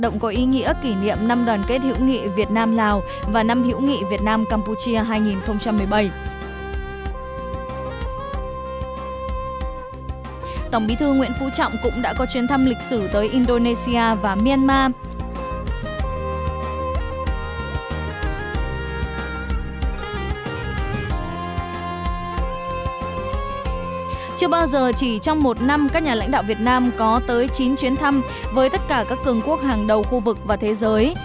nhà lãnh đạo việt nam có tới chín chuyến thăm với tất cả các cường quốc hàng đầu khu vực và thế giới